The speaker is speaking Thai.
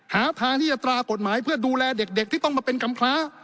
หาทางที่จะตรากฎหมายเพื่อดูแลเด็กที่ต้องมาเป็นกำพร้า